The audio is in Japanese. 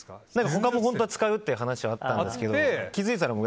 他も本当は使うって話しあったんですけど。